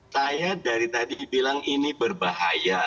saya dari tadi bilang ini berbahaya